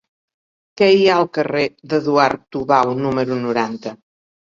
Què hi ha al carrer d'Eduard Tubau número noranta?